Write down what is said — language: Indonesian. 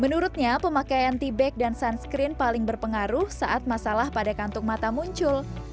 menurutnya pemakaian tea bag dan sunscreen paling berpengaruh saat masalah pada kantung mata muncul